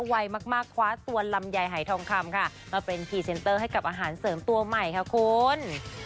ไวมากคว้าตัวลำไยหายทองคำค่ะมาเป็นพรีเซนเตอร์ให้กับอาหารเสริมตัวใหม่ค่ะคุณ